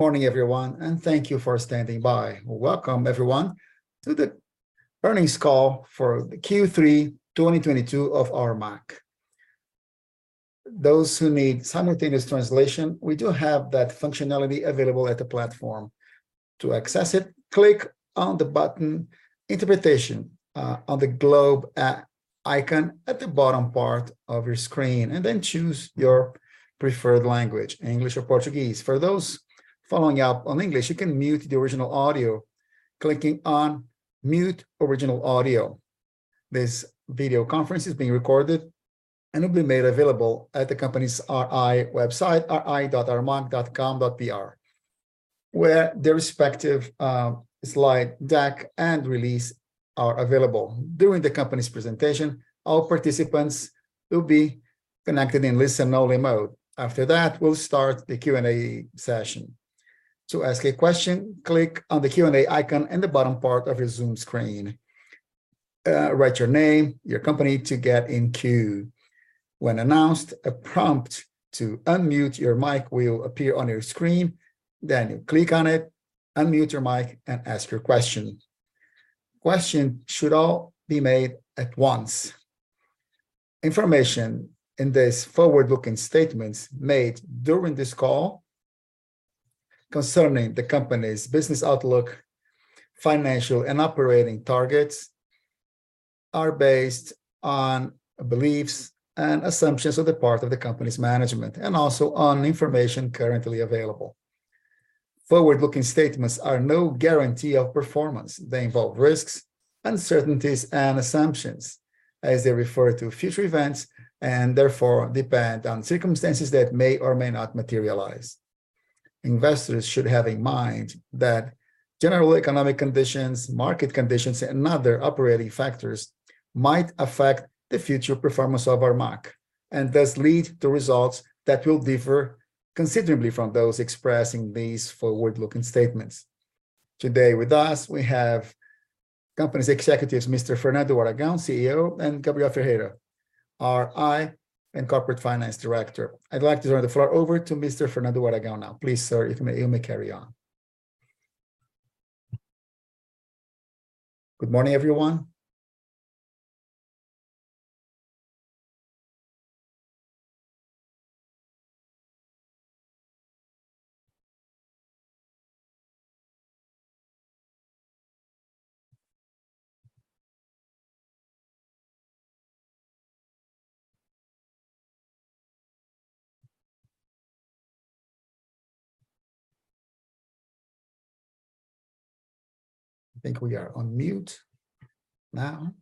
Morning everyone, and thank you for standing by. Welcome everyone to the earnings call for the Q3 2022 of Armac. Those who need simultaneous translation, we do have that functionality available at the platform. To access it, click on the button Interpretation on the globe icon at the bottom part of your screen, and then choose your preferred language, English or Portuguese. For those following up on English, you can mute the original audio clicking on Mute Original Audio. This video conference is being recorded and will be made available at the company's RI website, ri.armac.com.br, where the respective slide deck and release are available. During the company's presentation, all participants will be connected in listen only mode. After that, we'll start the Q&A session. To ask a question, click on the Q&A icon in the bottom part of your Zoom screen. Write your name, your company to get in queue. When announced, a prompt to unmute your mic will appear on your screen. Then you click on it, unmute your mic, and ask your question. Question should all be made at once. Information in this forward-looking statements made during this call concerning the company's business outlook, financial and operating targets are based on beliefs and assumptions on the part of the company's management and also on information currently available. Forward-looking statements are no guarantee of performance. They involve risks, uncertainties, and assumptions as they refer to future events, and therefore depend on circumstances that may or may not materialize. Investors should have in mind that general economic conditions, market conditions, and other operating factors might affect the future performance of Armac, and thus lead to results that will differ considerably from those expressing these forward-looking statements./ Today with us we have the company's executives, Mr. Fernando Aragão, CEO, and Gabriel Ferreira, RI and Corporate Finance Director. I'd like to turn the floor over to Mr. Fernando Aragão now. Please, sir, you may carry on. Good morning, everyone. I think we are on mute now.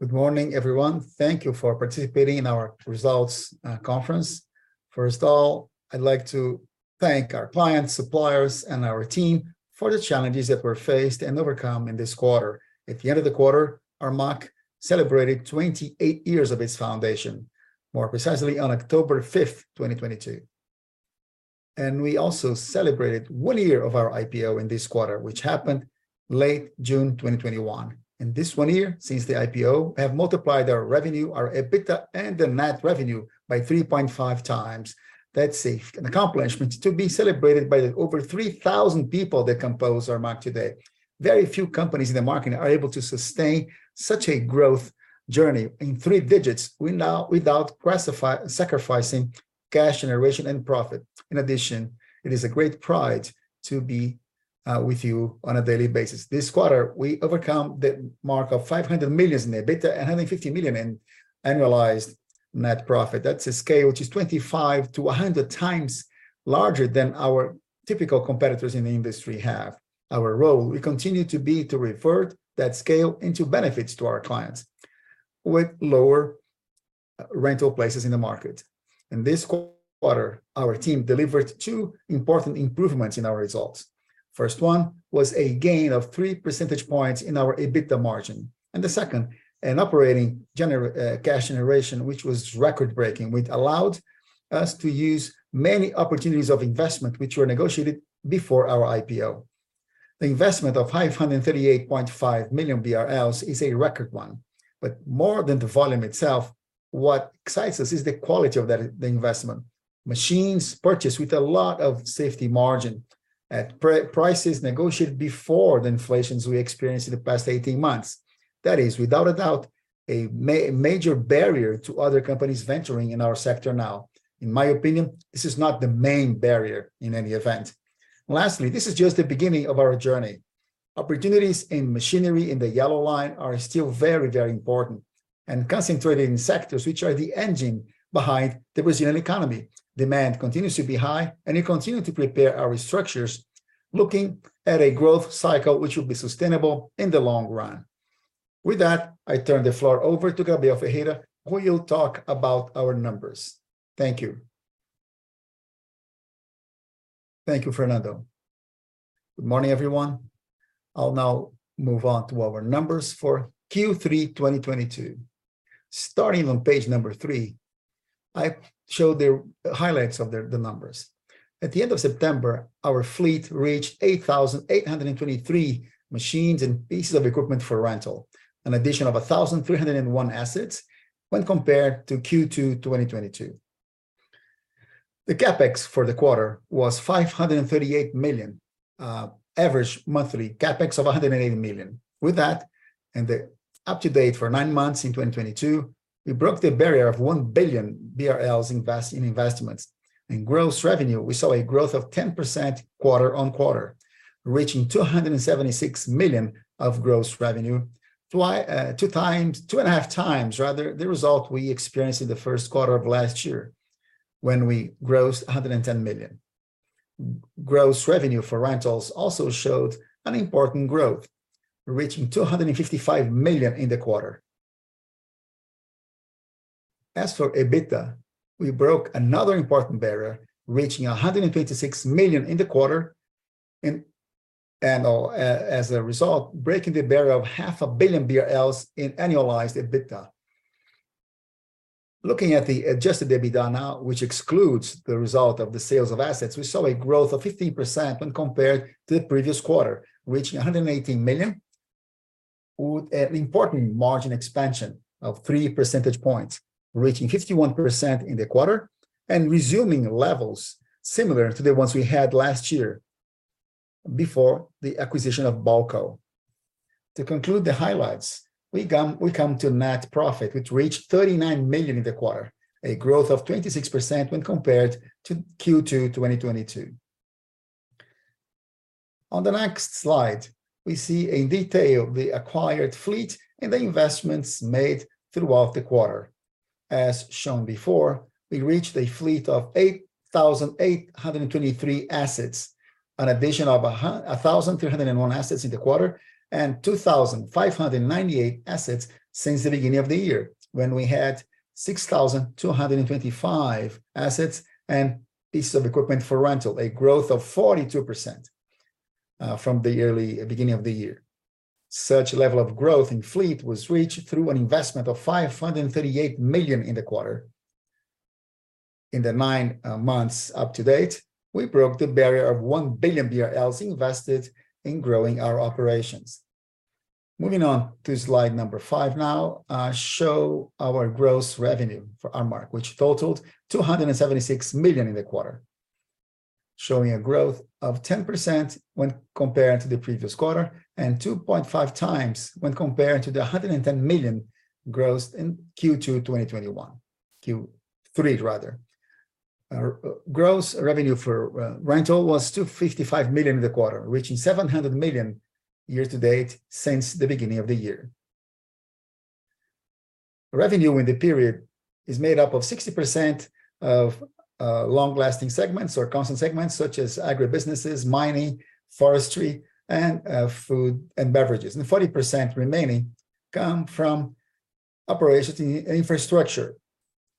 Good morning, everyone. Thank you for participating in our results conference. First of all, I'd like to thank our clients, suppliers, and our team for the challenges that were faced and overcome in this quarter. At the end of the quarter, Armac celebrated 28 years of its foundation, more precisely on October 5th, 2022. We also celebrated one year of our IPO in this quarter, which happened late June 2021. In this one year since the IPO, we have multiplied our revenue, our EBITDA, and the net revenue by 3.5x. That's an accomplishment to be celebrated by the over 3,000 people that compose Armac today. Very few companies in the market are able to sustain such a growth journey in three digits without sacrificing cash generation and profit. In addition, it is a great pride to be with you on a daily basis. This quarter, we overcome the mark of 500 million in EBITDA and 150 million in annualized net profit. That's a scale which is 25x-100x larger than our typical competitors in the industry have. Our role will continue to be to revert that scale into benefits to our clients with lower rental prices in the market. In this quarter, our team delivered two important improvements in our results. First one was a gain of 3 percentage points in our EBITDA margin, and the second, an operating cash generation, which was record-breaking, which allowed us to use many opportunities of investment which were negotiated before our IPO. The investment of 538.5 million BRL is a record one. More than the volume itself, what excites us is the quality of that, the investment. Machines purchased with a lot of safety margin at prices negotiated before the inflation we experienced in the past 18 months. That is without a doubt a major barrier to other companies venturing in our sector now. In my opinion, this is not the main barrier in any event. Lastly, this is just the beginning of our journey. Opportunities in machinery in the yellow line are still very, very important and concentrated in sectors which are the engine behind the Brazilian economy. Demand continues to be high and we continue to prepare our structures looking at a growth cycle which will be sustainable in the long run. With that, I turn the floor over to Gabriel Ferreira, who will talk about our numbers. Thank you. Thank you, Fernando. Good morning, everyone. I'll now move on to our numbers for Q3 2022. Starting on page three, I show the highlights of the numbers. At the end of September, our fleet reached 8,823 machines and pieces of equipment for rental, an addition of 1,301 assets when compared to Q2 2022. The CapEx for the quarter was 538 million, average monthly CapEx of 180 million. With that, the update for nine months in 2022, we broke the barrier of 1 billion BRL in investments. In gross revenue, we saw a growth of 10% quarter-on-quarter, reaching 276 million of gross revenue. 2x, 2.5x, rather than the result we experienced in the first quarter of last year when we grossed 110 million. Gross revenue for rentals also showed an important growth, reaching 255 million in the quarter. As for EBITDA, we broke another important barrier, reaching 126 million in the quarter, and as a result, breaking the barrier of 500 million BRL in annualized EBITDA. Looking at the adjusted EBITDA now, which excludes the result of the sales of assets, we saw a growth of 15% when compared to the previous quarter, reaching 118 million, with an important margin expansion of 3 percentage points, reaching 51% in the quarter and resuming levels similar to the ones we had last year before the acquisition of Bauko. To conclude the highlights, we come to net profit, which reached 39 million in the quarter, a growth of 26% when compared to Q2 2022. On the next slide, we see in detail the acquired fleet and the investments made throughout the quarter. As shown before, we reached a fleet of 8,823 assets, an addition of a 1,301 assets in the quarter and 2,598 assets since the beginning of the year when we had 6,225 assets and pieces of equipment for rental, a growth of 42%, from the early beginning of the year. Such level of growth in fleet was reached through an investment of 538 million in the quarter. In the nine months to date, we broke the barrier of 1 billion BRL invested in growing our operations. Moving on to slide number five now, show our gross revenue for Armac, which totaled 276 million in the quarter, showing a growth of 10% when compared to the previous quarter and 2.5x when compared to the 110 million gross in Q2 2021, Q3, rather. Gross revenue for rental was 255 million in the quarter, reaching 700 million year to date since the beginning of the year. Revenue in the period is made up of 60% of long-lasting segments or constant segments such as agribusinesses, mining, forestry and food and beverages, and 40% remaining come from operations in infrastructure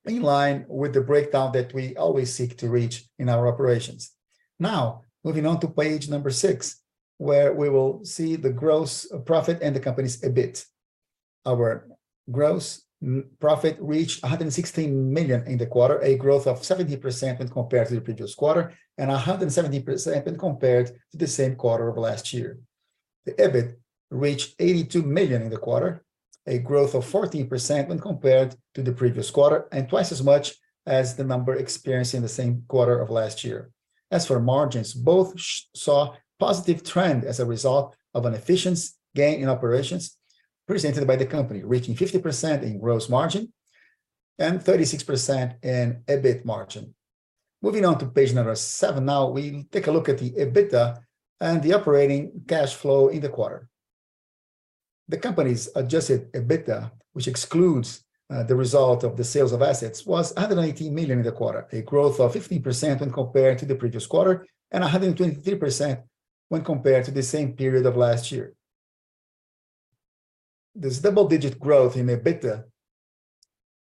in line with the breakdown that we always seek to reach in our operations. Now, moving on to page number six, where we will see the gross profit and the company's EBIT. Our gross profit reached 116 million in the quarter, a growth of 70% when compared to the previous quarter and 170% when compared to the same quarter of last year. The EBIT reached 82 million in the quarter, a growth of 14% when compared to the previous quarter and twice as much as the number experienced in the same quarter of last year. As for margins, both saw positive trend as a result of an efficiency gain in operations presented by the company, reaching 50% in gross margin and 36% in EBIT margin. Moving on to page number seven now, we take a look at the EBITDA and the operating cash flow in the quarter. The company's adjusted EBITDA, which excludes the result of the sales of assets, was 118 million in the quarter, a growth of 15% when compared to the previous quarter and 123% when compared to the same period of last year. This double-digit growth in EBITDA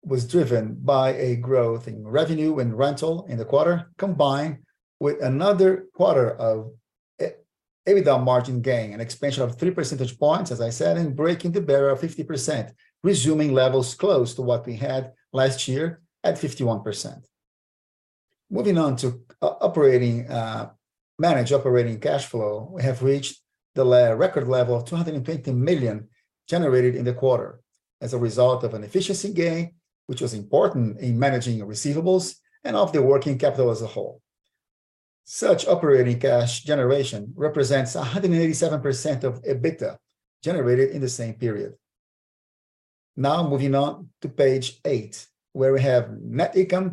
was driven by a growth in revenue and rental in the quarter, combined with another quarter of EBITDA margin gain, an expansion of 3 percentage points, as I said, and breaking the barrier of 50%, resuming levels close to what we had last year at 51%. Moving on to operating cash flow management, we have reached the record level of 220 million generated in the quarter. As a result of an efficiency gain, which was important in managing receivables and of the working capital as a whole. Such operating cash generation represents 187% of EBITDA generated in the same period. Now moving on to page eight, where we have net income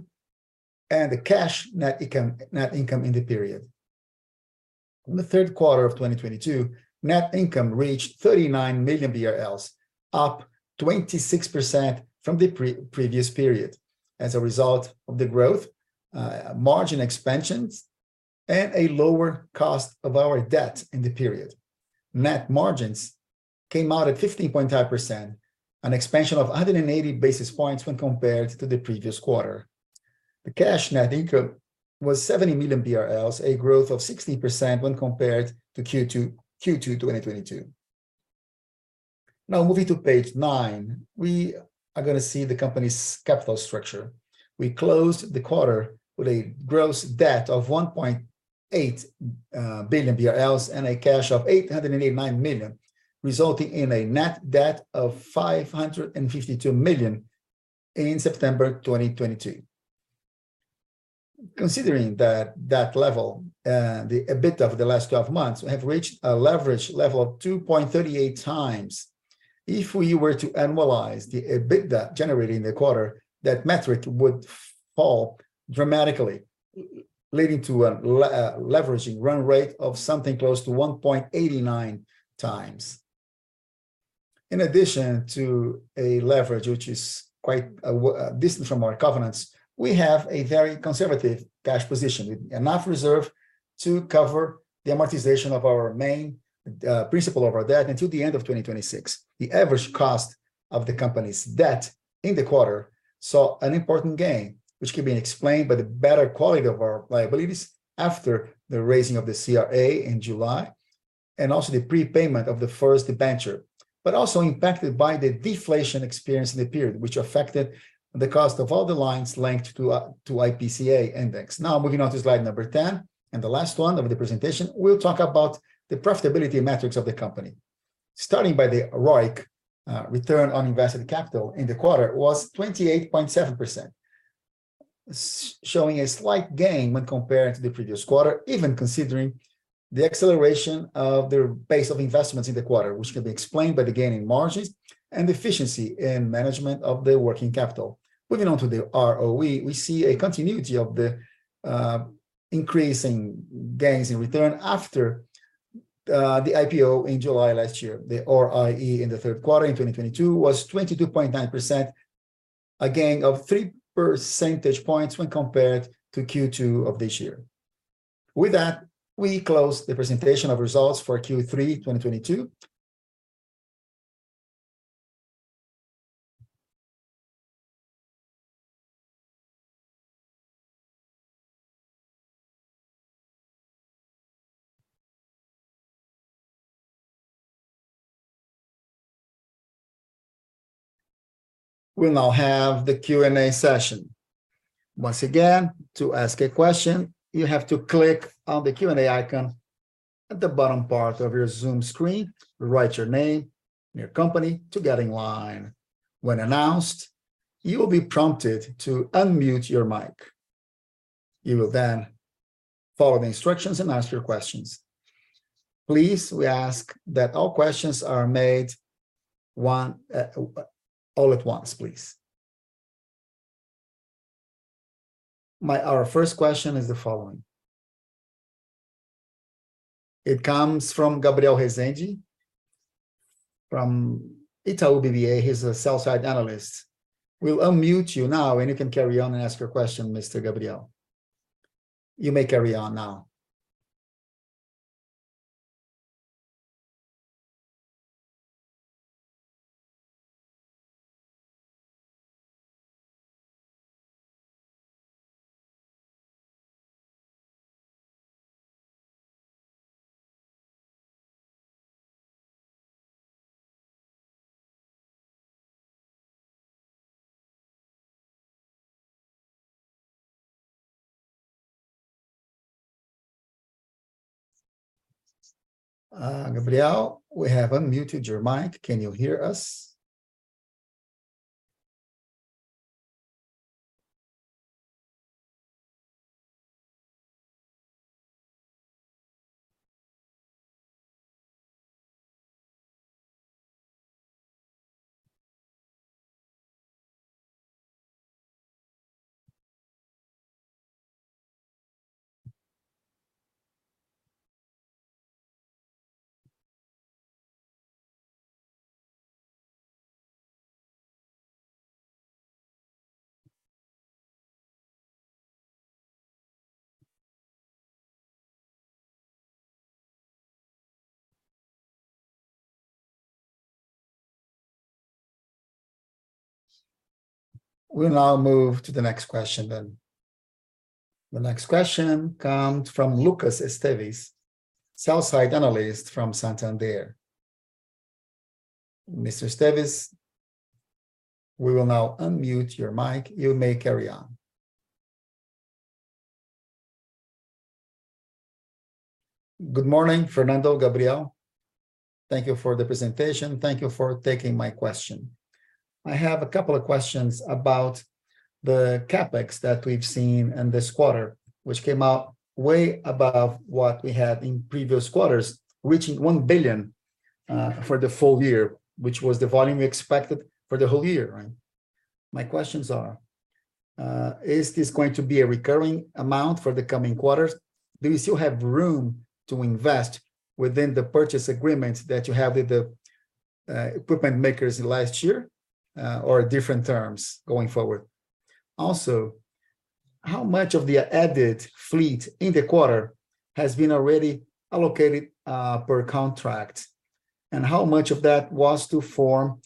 and the cash net income, net income in the period. In the third quarter of 2022, net income reached 39 million BRL, up 26% from the previous period as a result of the growth, margin expansions, and a lower cost of our debt in the period. Net margins came out at 15.5%, an expansion of 180 basis points when compared to the previous quarter. The cash net income was 70 million BRL, a growth of 60% when compared to Q2 2022. Now moving to page nine, we are gonna see the company's capital structure. We closed the quarter with a gross debt of 1.8 billion BRL and a cash of 889 million, resulting in a net debt of 552 million in September 2022. Considering that level, the EBITDA of the last 12 months have reached a leverage level of 2.38x, if we were to annualize the EBITDA generated in the quarter, that metric would fall dramatically, leading to a leveraging run rate of something close to 1.89x. In addition to a leverage which is quite distant from our covenants, we have a very conservative cash position, with enough reserve to cover the amortization of our main principal of our debt until the end of 2026. The average cost of the company's debt in the quarter saw an important gain, which can be explained by the better quality of our liabilities after the raising of the CRA in July and also the prepayment of the first debenture. Also impacted by the deflation experienced in the period, which affected the cost of all the lines linked to IPCA index. Now moving on to slide number 10, and the last one of the presentation, we'll talk about the profitability metrics of the company. Starting by the ROIC, return on invested capital in the quarter was 28.7%, showing a slight gain when compared to the previous quarter, even considering the acceleration of their pace of investments in the quarter, which can be explained by the gain in margins and efficiency in management of the working capital. Moving on to the ROE, we see a continuity of the increasing gains in return after the IPO in July last year. The ROIC in the third quarter in 2022 was 22.9%, a gain of 3 percentage points when compared to Q2 of this year. With that, we close the presentation of results for Q3 2022. We now have the Q&A session. Once again, to ask a question, you have to click on the Q&A icon at the bottom part of your Zoom screen, write your name and your company to get in line. When announced, you will be prompted to unmute your mic. You will then follow the instructions and ask your questions. Please, we ask that all questions are made all at once, please. Our first question is the following. It comes from Gabriel Rezende from Itaú BBA. He's a sell-side analyst. We'll unmute you now, and you can carry on and ask your question, Mr. Gabriel. You may carry on now. Gabriel, we have unmuted your mic. Can you hear us? We'll now move to the next question then. The next question comes from Lucas Esteves, sell-side analyst from Santander. Mr. Esteves, we will now unmute your mic. You may carry on. Good morning, Fernando, Gabriel. Thank you for the presentation. Thank you for taking my question. I have a couple of questions about the CapEx that we've seen in this quarter, which came out way above what we had in previous quarters, reaching 1 billion for the full year, which was the volume we expected for the whole year, right? My questions are, is this going to be a recurring amount for the coming quarters? Do you still have room to invest within the purchase agreements that you have with the equipment makers in last year, or different terms going forward? Also, how much of the added fleet in the quarter has been already allocated per contract, and how much of that was to form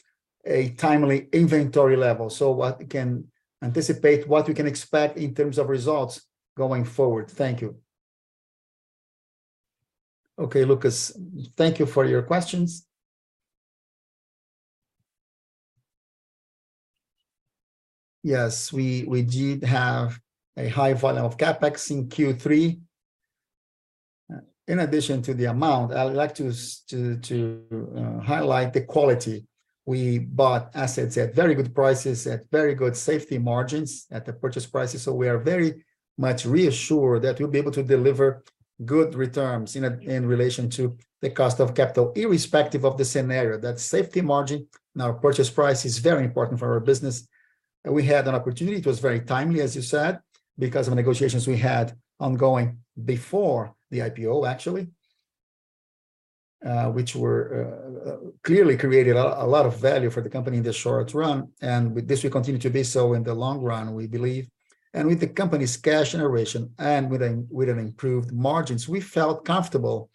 a timely inventory level? What we can anticipate, what we can expect in terms of results going forward. Thank you. Okay, Lucas, thank you for your questions. Yes, we did have a high volume of CapEx in Q3. In addition to the amount, I would like to highlight the quality. We bought assets at very good prices, at very good safety margins at the purchase prices, so we are very much reassured that we'll be able to deliver good returns in relation to the cost of capital, irrespective of the scenario. That safety margin in our purchase price is very important for our business. We had an opportunity, it was very timely, as you said, because of negotiations we had ongoing before the IPO actually, which were clearly created a lot of value for the company in the short run, and with this will continue to be so in the long run, we believe. With the company's cash generation and with an improved margins, we felt comfortable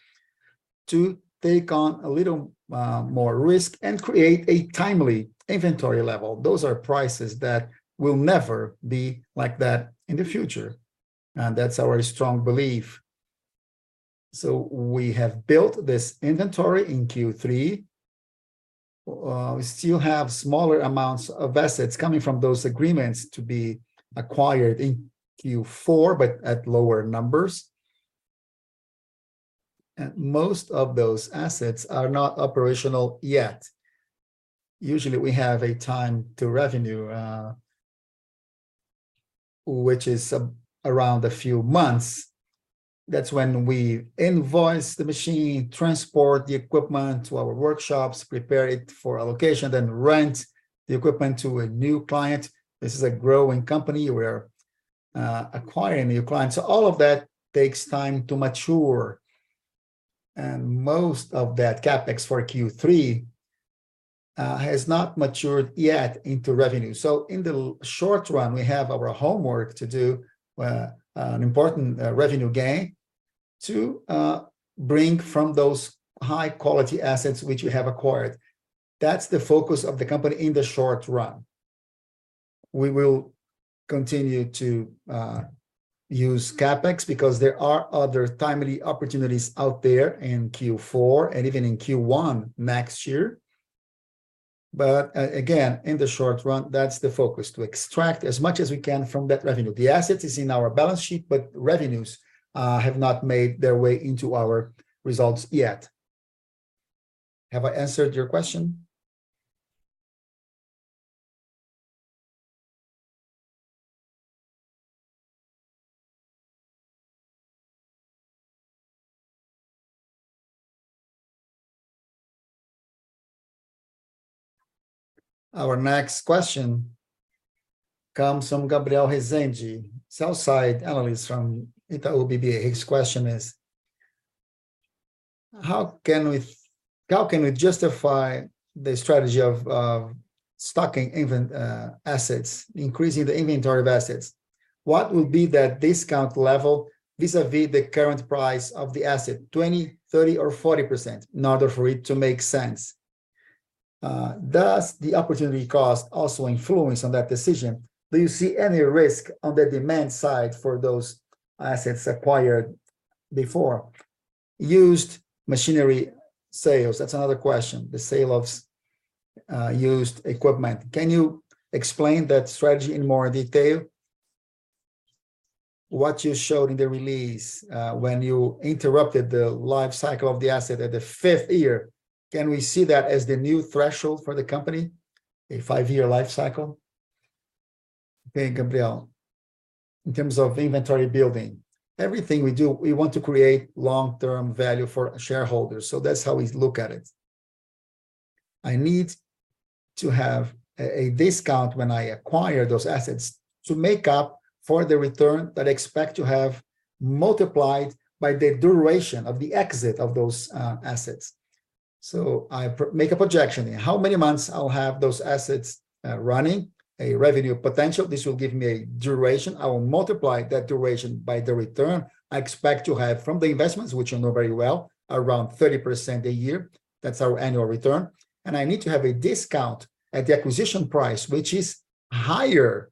to take on a little more risk and create a timely inventory level. Those are prices that will never be like that in the future, and that's our strong belief. We have built this inventory in Q3. We still have smaller amounts of assets coming from those agreements to be acquired in Q4, but at lower numbers. Most of those assets are not operational yet. Usually, we have a time to revenue, which is around a few months. That's when we invoice the machine, transport the equipment to our workshops, prepare it for allocation, then rent the equipment to a new client. This is a growing company. We're acquiring new clients. All of that takes time to mature, and most of that CapEx for Q3 has not matured yet into revenue. In the short run, we have our homework to do, an important revenue gain to bring from those high quality assets which we have acquired. That's the focus of the company in the short run. We will continue to use CapEx because there are other timely opportunities out there in Q4 and even in Q1 next year. Again, in the short run, that's the focus, to extract as much as we can from that revenue. The asset is in our balance sheet, but revenues have not made their way into our results yet. Have I answered your question? Our next question comes from Gabriel Rezende, sell-side analyst from Itaú BBA. His question is, how can we justify the strategy of stocking even assets, increasing the inventory of assets? What will be the discount level vis-à-vis the current price of the asset, 20%, 30%, or 40%, in order for it to make sense? Does the opportunity cost also influence on that decision? Do you see any risk on the demand side for those assets acquired before? Used machinery sales, that's another question. The sale of used equipment. Can you explain that strategy in more detail? What you showed in the release, when you interrupted the life cycle of the asset at the fifth year, can we see that as the new threshold for the company, a five-year life cycle? Okay, Gabriel. In terms of inventory building, everything we do, we want to create long-term value for shareholders, so that's how we look at it. I need to have a discount when I acquire those assets to make up for the return that I expect to have multiplied by the duration of the exit of those assets. I make a projection. In how many months I'll have those assets running, a revenue potential. This will give me a duration. I will multiply that duration by the return I expect to have from the investments, which I know very well, around 30% a year. That's our annual return. I need to have a discount at the acquisition price, which is higher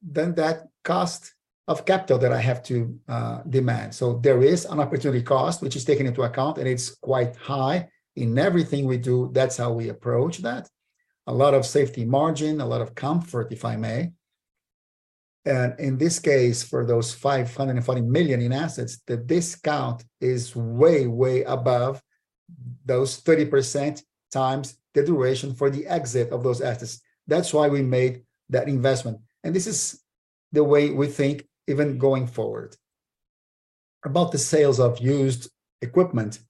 than that cost of capital that I have to demand. There is an opportunity cost which is taken into account, and it's quite high. In everything we do, that's how we approach that. A lot of safety margin, a lot of comfort, if I may. In this case, for those 540 million in assets, the discount is way above those 30% times the duration for the exit of those assets. That's why we made that investment, and this is the way we think even going forward. About the sales of used equipment,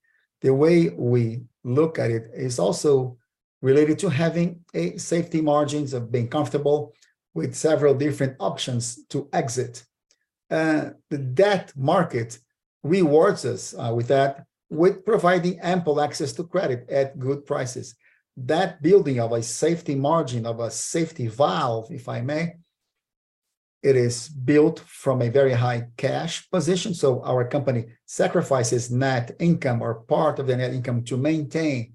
the way we look at it is also related to having a safety margins of being comfortable with several different options to exit. The debt market rewards us with that, with providing ample access to credit at good prices. That building of a safety margin, of a safety valve, if I may, it is built from a very high cash position, so our company sacrifices net income or part of the net income to maintain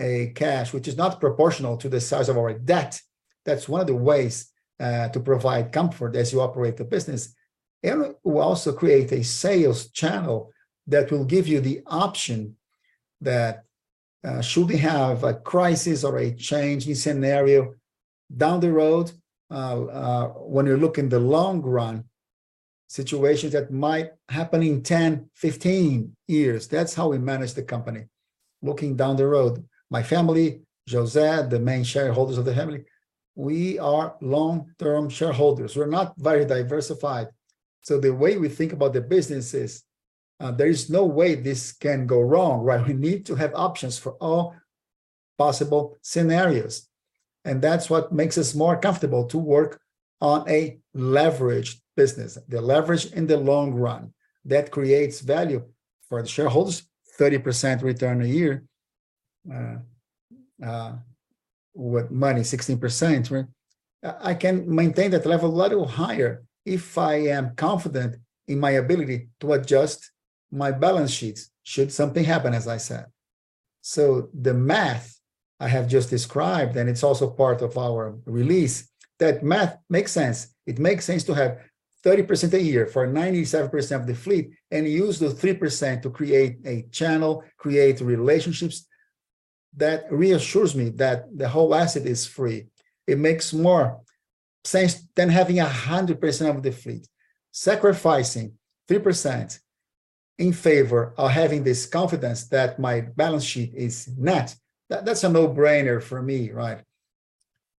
a cash, which is not proportional to the size of our debt. That's one of the ways to provide comfort as you operate the business. We also create a sales channel that will give you the option that, should we have a crisis or a change in scenario down the road, when you look in the long run, situations that might happen in 10, 15 years. That's how we manage the company, looking down the road. My family, José, the main shareholders of the family, we are long-term shareholders. We're not very diversified. The way we think about the business is, there is no way this can go wrong, right? We need to have options for all possible scenarios, and that's what makes us more comfortable to work on a leveraged business. The leverage in the long run, that creates value for the shareholders, 30% return a year. With money 16%, right? I can maintain that level a little higher if I am confident in my ability to adjust my balance sheets should something happen, as I said. The math I have just described, and it's also part of our release, that math makes sense. It makes sense to have 30% a year for 97% of the fleet and use the 3% to create a channel, create relationships that reassures me that the whole asset is free. It makes more sense than having 100% of the fleet sacrificing 3% in favor of having this confidence that my balance sheet is net. That's a no-brainer for me, right?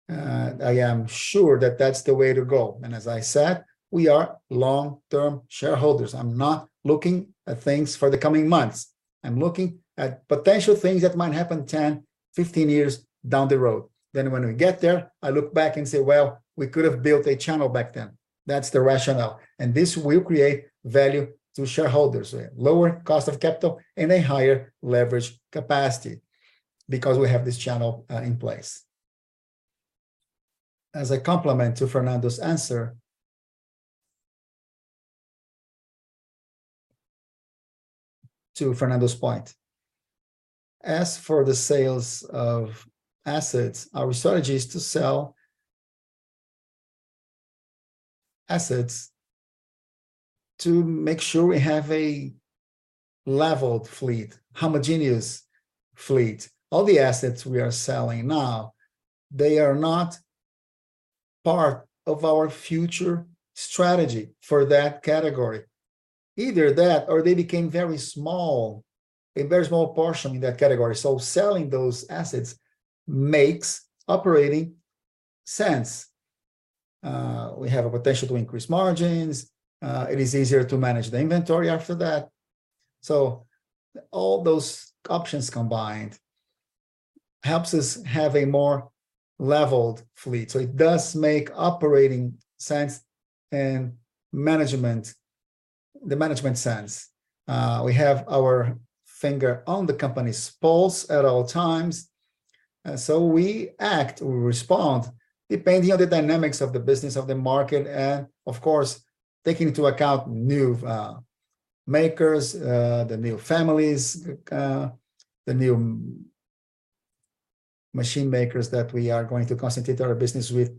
I am sure that that's the way to go. As I said, we are long-term shareholders. I'm not looking at things for the coming months. I'm looking at potential things that might happen 10, 15 years down the road. When we get there, I look back and say, "Well, we could have built a channel back then." That's the rationale. This will create value to shareholders, a lower cost of capital and a higher leverage capacity because we have this channel in place. As a complement to Fernando's answer, to Fernando's point, as for the sales of assets, our strategy is to sell assets to make sure we have a leveled fleet, homogeneous fleet. All the assets we are selling now, they are not part of our future strategy for that category. Either that or they became very small, a very small portion in that category, so selling those assets makes operating sense. We have a potential to increase margins. It is easier to manage the inventory after that. All those options combined helps us have a more leveled fleet. It does make operating sense and management, the management sense. We have our finger on the company's pulse at all times. We act, we respond depending on the dynamics of the business, of the market, of course, taking into account new makers, the new families, the new machine makers that we are going to concentrate our business with,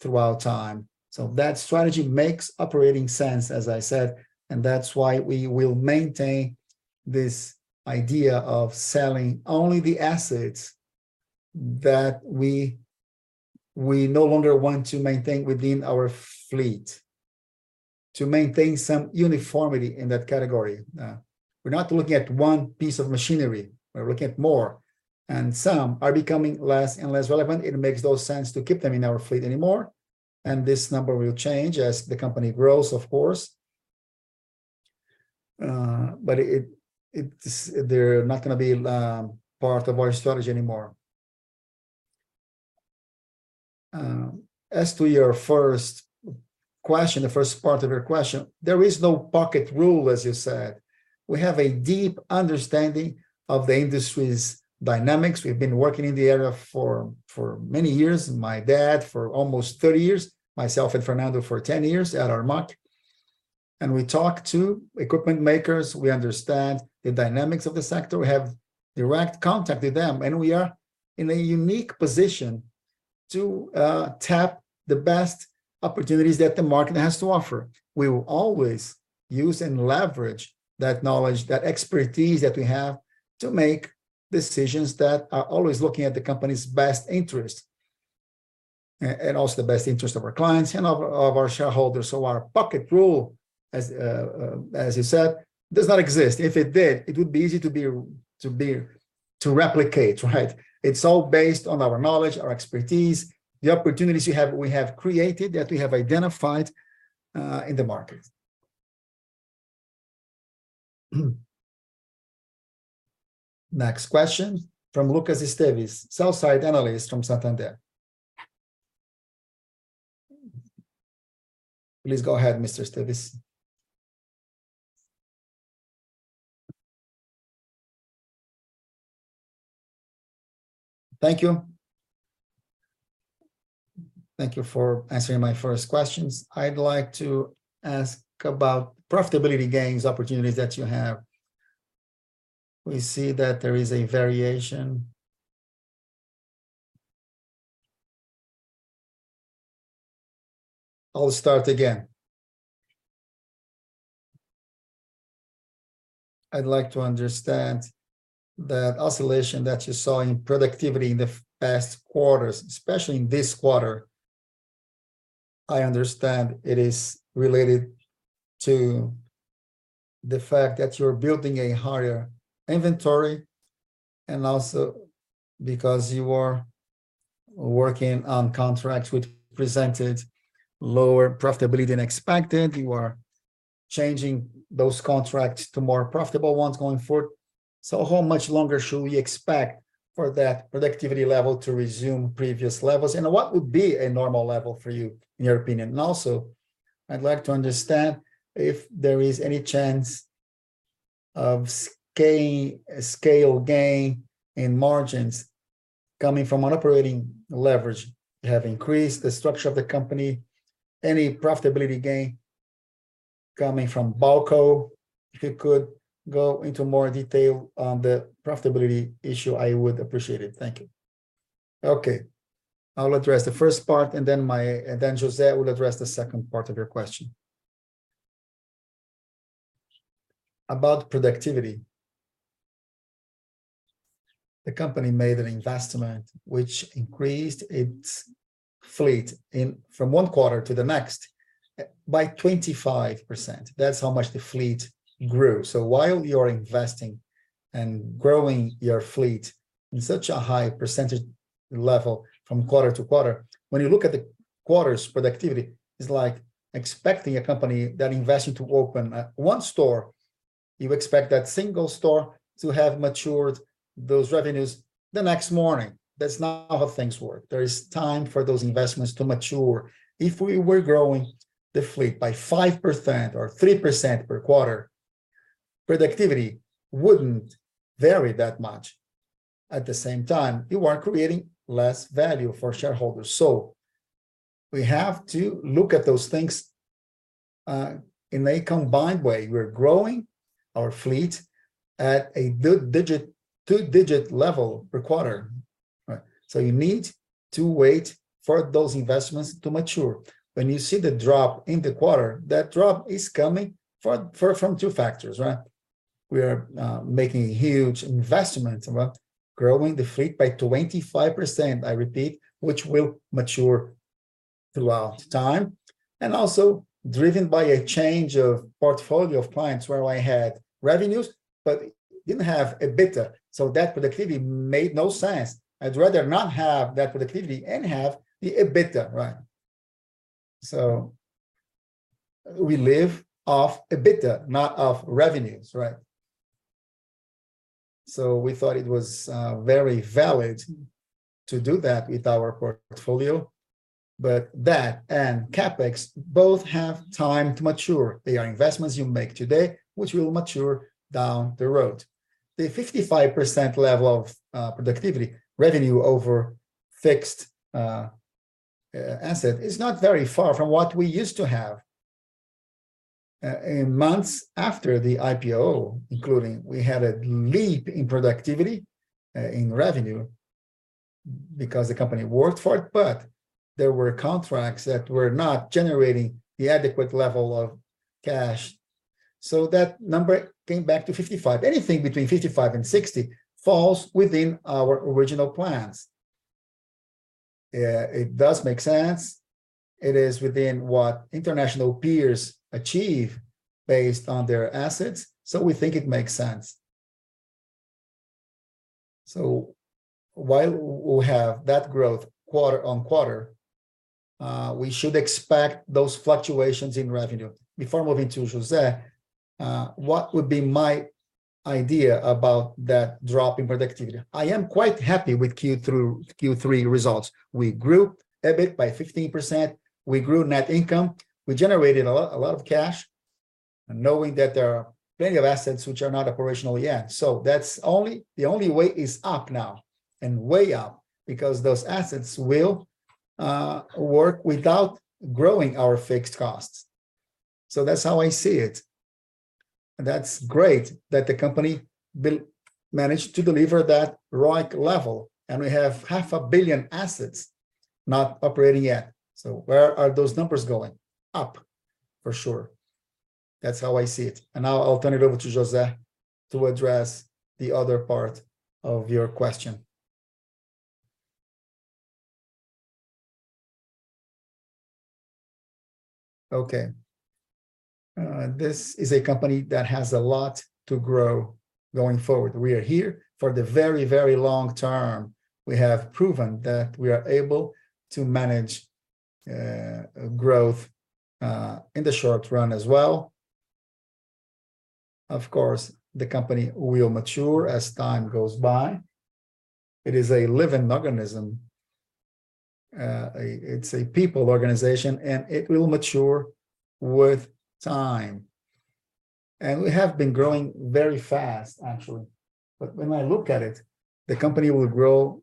throughout time. That strategy makes operating sense, as I said, and that's why we will maintain this idea of selling only the assets that we no longer want to maintain within our fleet to maintain some uniformity in that category. We're not looking at one piece of machinery, we're looking at more, and some are becoming less and less relevant. It makes no sense to keep them in our fleet anymore, and this number will change as the company grows, of course. They're not gonna be part of our strategy anymore. As to your first question, the first part of your question, there is no hard-and-fast rule, as you said. We have a deep understanding of the industry's dynamics. We've been working in the area for many years, my dad for almost 30 years, myself and Fernando for 10 years at Armac. We talk to equipment makers. We understand the dynamics of the sector. We have direct contact with them, and we are in a unique position to tap the best opportunities that the market has to offer. We will always use and leverage that knowledge, that expertise that we have to make decisions that are always looking at the company's best interest and also the best interest of our clients and of our shareholders. Our hard-and-fast rule, as you said, does not exist. If it did, it would be easy to replicate, right? It's all based on our knowledge, our expertise, the opportunities we have created that we have identified in the market. Next question from Lucas Esteves, sell-side analyst from Santander. Please go ahead, Mr. Esteves. Thank you. Thank you for answering my first questions. I'd like to ask about profitability gains, opportunities that you have. We see that there is a variation. I'll start again. I'd like to understand the oscillation that you saw in productivity in the past quarters, especially in this quarter. I understand it is related to the fact that you're building a higher inventory, and also because you are working on contracts which presented lower profitability than expected. You are changing those contracts to more profitable ones going forward. How much longer should we expect for that productivity level to resume previous levels, and what would be a normal level for you, in your opinion? Also, I'd like to understand if there is any chance of scale gain in margins coming from an operating leverage to have increased the structure of the company, any profitability gain coming from Bauko. If you could go into more detail on the profitability issue, I would appreciate it. Thank you. Okay. I'll address the first part, and then José will address the second part of your question. About productivity. The company made an investment which increased its fleet in, from one quarter to the next by 25%. That's how much the fleet grew. While you're investing and growing your fleet in such a high percentage level from quarter to quarter, when you look at the quarter's productivity, it's like expecting a company that invested to open one store. You expect that single store to have matured those revenues the next morning. That's not how things work. There is time for those investments to mature. If we were growing the fleet by 5% or 3% per quarter, productivity wouldn't vary that much. At the same time, you are creating less value for shareholders. We have to look at those things in a combined way. We're growing our fleet at a two-digit level per quarter, right? You need to wait for those investments to mature. When you see the drop in the quarter, that drop is coming from two factors, right? We are making huge investments about growing the fleet by 25%, I repeat, which will mature throughout time, and also driven by a change of portfolio of clients where I had revenues but didn't have EBITDA, so that productivity made no sense. I'd rather not have that productivity and have the EBITDA, right? We live off EBITDA, not off revenues, right? We thought it was very valid to do that with our portfolio. That and CapEx both have time to mature. They are investments you make today, which will mature down the road. The 55% level of productivity, revenue over fixed asset, is not very far from what we used to have. Months after the IPO, including, we had a leap in productivity in revenue, because the company worked for it, but there were contracts that were not generating the adequate level of cash. That number came back to 55%. Anything between 55% and 60% falls within our original plans. It does make sense. It is within what international peers achieve based on their assets, so we think it makes sense. While we have that growth quarter-on-quarter, we should expect those fluctuations in revenue. Before moving to José, what would be my idea about that drop in productivity? I am quite happy with Q3 results. We grew EBIT by 15%. We grew net income. We generated a lot, a lot of cash, knowing that there are plenty of assets which are not operational yet. That's only, the only way is up now, and way up, because those assets will work without growing our fixed costs. That's how I see it. That's great that the company managed to deliver that right level, and we have 500 million assets not operating yet. Where are those numbers going? Up, for sure. That's how I see it. Now I'll turn it over to José to address the other part of your question. Okay. This is a company that has a lot to grow going forward. We are here for the very, very long term. We have proven that we are able to manage growth in the short run as well. Of course, the company will mature as time goes by. It is a living organism. It's a people organization, and it will mature with time. We have been growing very fast actually. When I look at it, the company will grow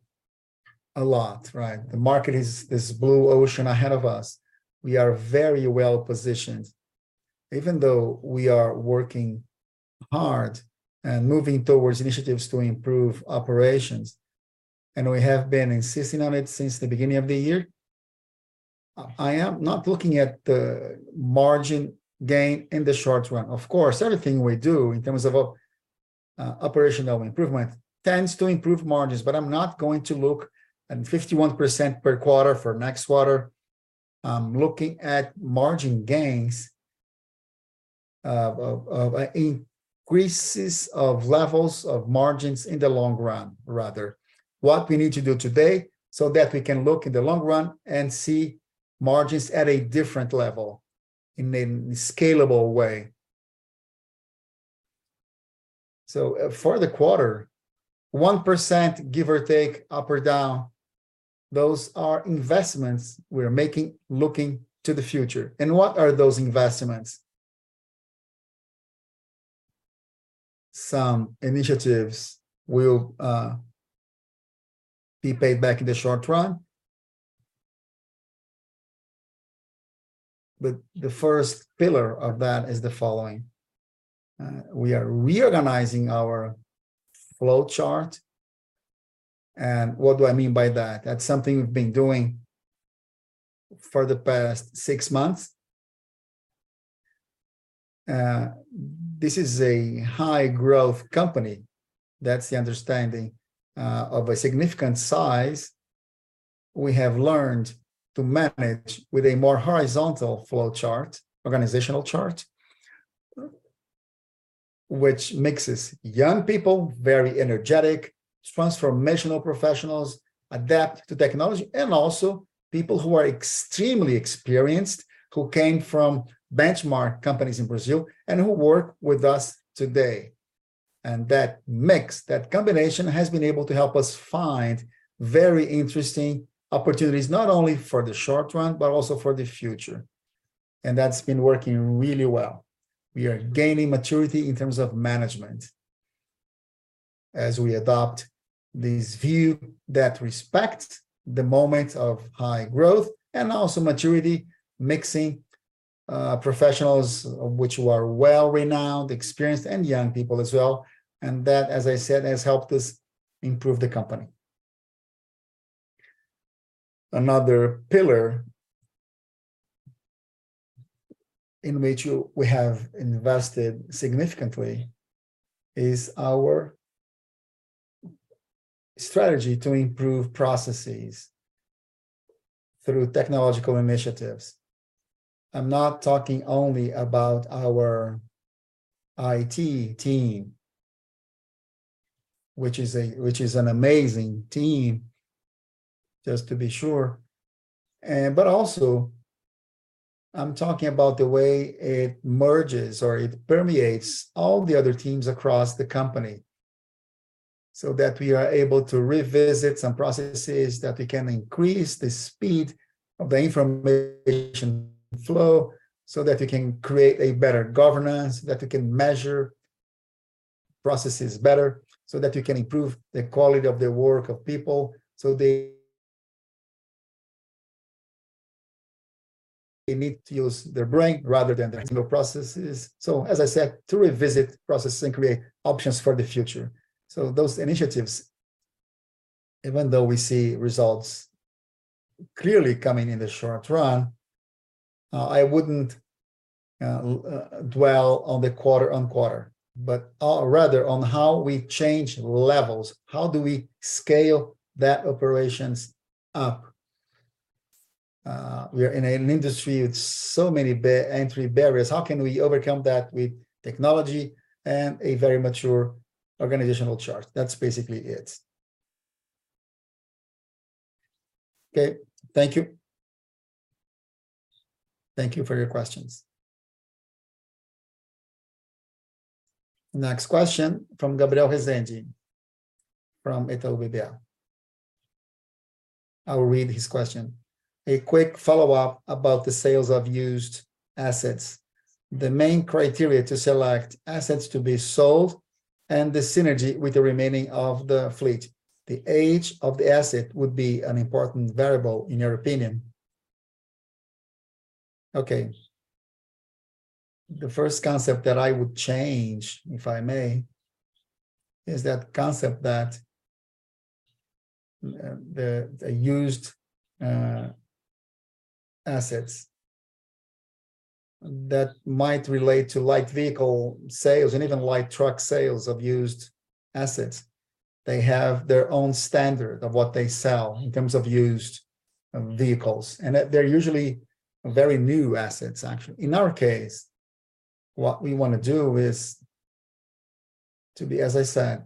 a lot, right? The market is this blue ocean ahead of us. We are very well-positioned. Even though we are working hard and moving towards initiatives to improve operations, and we have been insisting on it since the beginning of the year, I am not looking at the margin gain in the short run. Of course, everything we do in terms of, operational improvement tends to improve margins, but I'm not going to look at 51% per quarter for next quarter. I'm looking at margin gains, increases of levels of margins in the long run rather. What we need to do today so that we can look in the long run and see margins at a different level in a scalable way. For the quarter, 1% give or take, up or down, those are investments we're making looking to the future. What are those investments? Some initiatives will be paid back in the short run. The first pillar of that is the following. We are reorganizing our flowchart. What do I mean by that? That's something we've been doing for the past six months. This is a high growth company, that's the understanding of a significant size. We have learned to manage with a more horizontal flowchart, organizational chart, which mixes young people, very energetic, transformational professionals, adapt to technology, and also people who are extremely experienced, who came from benchmark companies in Brazil and who work with us today. That mix, that combination, has been able to help us find very interesting opportunities, not only for the short run, but also for the future. That's been working really well. We are gaining maturity in terms of management as we adopt this view that respects the moment of high growth and also maturity, mixing professionals which are well renowned, experienced, and young people as well. That, as I said, has helped us improve the company. Another pillar in which we have invested significantly is our strategy to improve processes through technological initiatives. I'm not talking only about our IT team, which is an amazing team just to be sure, but also I'm talking about the way it merges or it permeates all the other teams across the company so that we are able to revisit some processes, that we can increase the speed of the information flow, so that we can create a better governance, that we can measure processes better, so that we can improve the quality of the work of people so they need to use their brain rather than their skilled processes. As I said, to revisit processes and create options for the future. Those initiatives, even though we see results clearly coming in the short run, I wouldn't dwell on the quarter-on-quarter, but rather on how we change levels. How do we scale those operations up? We're in an industry with so many barriers to entry. How can we overcome that with technology and a very mature organizational chart? That's basically it. Okay, thank you. Thank you for your questions. Next question from Gabriel Rezende from Itaú BBA. I will read his question. A quick follow-up about the sales of used assets. The main criteria to select assets to be sold and the synergy with the remaining of the fleet. The age of the asset would be an important variable in your opinion. Okay. The first concept that I would change, if I may, is that concept of the used assets that might relate to light vehicle sales and even light truck sales of used assets. They have their own standard of what they sell in terms of used vehicles, and they're usually very new assets actually. In our case, what we wanna do is to be, as I said,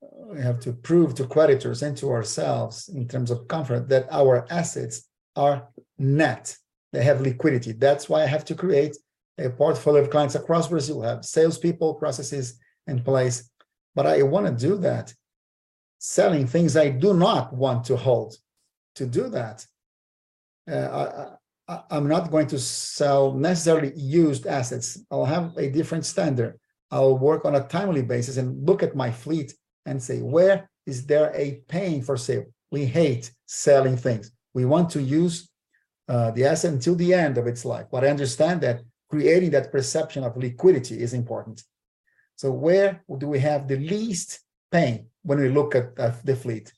we have to prove to creditors and to ourselves in terms of comfort that our assets are net. They have liquidity. That's why I have to create a portfolio of clients across Brazil, have salespeople, processes in place. I wanna do that selling things I do not want to hold. To do that, I'm not going to sell necessarily used assets. I'll have a different standard. I'll work on a timely basis and look at my fleet and say, "Where is there a pain for sale?" We hate selling things. We want to use the asset until the end of its life. I understand that creating that perception of liquidity is important. Where do we have the least pain when we look at the fleet?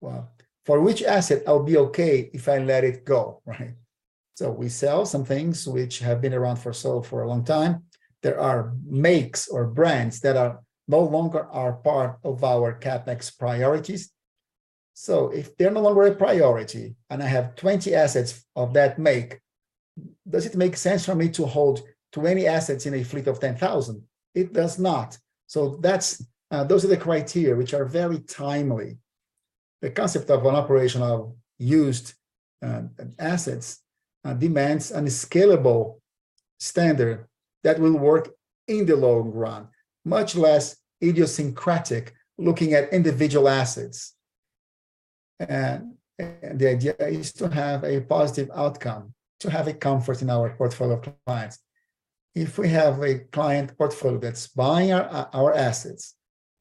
For which asset I would be okay if I let it go, right? We sell some things which have been around for a long time. There are makes or brands that are no longer part of our CapEx priorities. If they're no longer a priority and I have 20 assets of that make, does it make sense for me to hold 20 assets in a fleet of 10,000? It does not. That's, those are the criteria which are very timely. The concept of an operation of used assets demands a scalable standard that will work in the long run, much less idiosyncratic looking at individual assets. The idea is to have a positive outcome, to have a comfort in our portfolio of clients. If we have a client portfolio that's buying our assets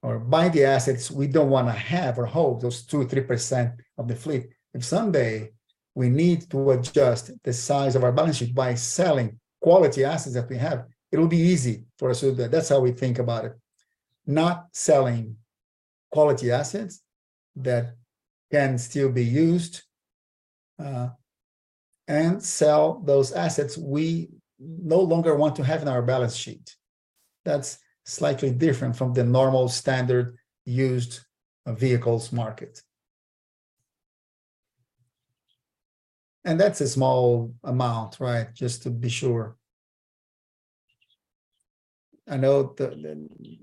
or buying the assets we don't wanna have or hold, those 2% or 3% of the fleet, if someday we need to adjust the size of our balance sheet by selling quality assets that we have, it'll be easy for us to do that. That's how we think about it. Not selling quality assets that can still be used and sell those assets we no longer want to have in our balance sheet. That's slightly different from the normal standard used vehicles market. That's a small amount, right? Just to be sure. I know that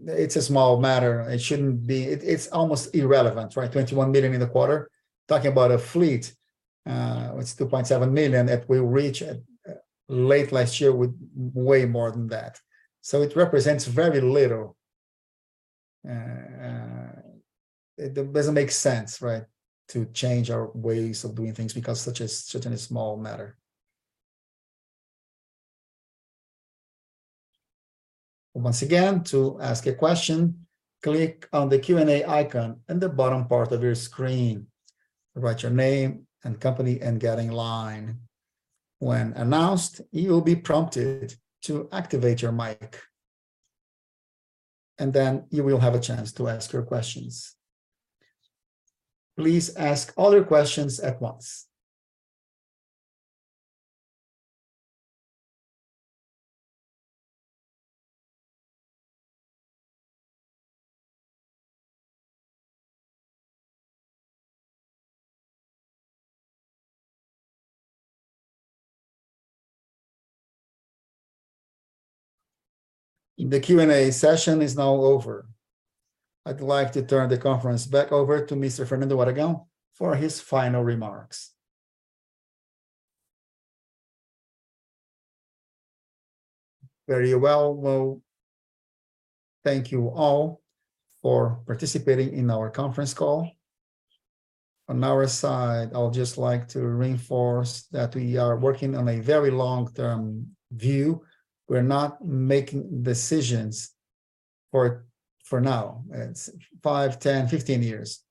it's a small matter. It shouldn't be. It's almost irrelevant, right? 21 million in the quarter. Talking about a fleet, with 2.7 million that we reach, late last year with way more than that. It represents very little. It doesn't make sense, right? To change our ways of doing things because such a small matter. Once again, to ask a question, click on the Q&A icon in the bottom part of your screen. Write your name and company and get in line. When announced, you will be prompted to activate your mic, and then you will have a chance to ask your questions. Please ask all your questions at once. The Q&A session is now over. I'd like to turn the conference back over to Mr. Fernando Aragão for his final remarks. Very well. Well, thank you all for participating in our conference call. On our side, I would just like to reinforce that we are working on a very long-term view. We're not making decisions for now. It's 5, 10, 15 years.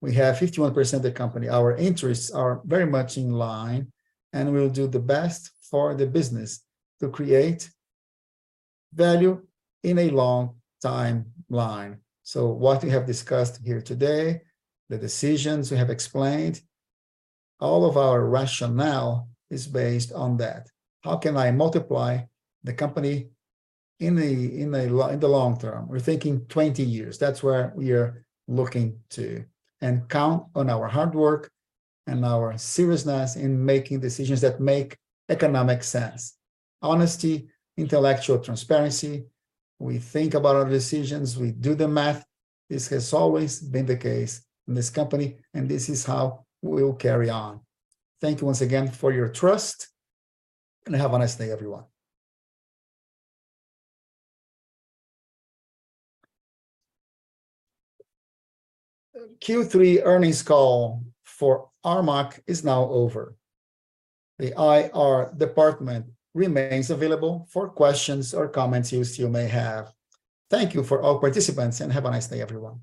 We have 51% of the company. Our interests are very much in line, and we'll do the best for the business to create value in a long timeline. What we have discussed here today, the decisions we have explained, all of our rationale is based on that. How can I multiply the company in the long term? We're thinking 20 years. That's where we are looking to. Count on our hard work and our seriousness in making decisions that make economic sense. Honesty, intellectual transparency. We think about our decisions. We do the math. This has always been the case in this company, and this is how we will carry on. Thank you once again for your trust, and have a nice day everyone. Q3 earnings call for Armac is now over. The IR department remains available for questions or comments you still may have. Thank you for all participants, and have a nice day everyone.